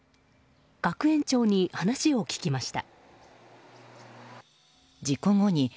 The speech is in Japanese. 学園長に話を聞きました。